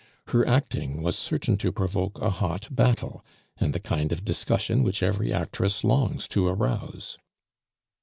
Her acting was certain to provoke a hot battle, and the kind of discussion which every actress longs to arouse.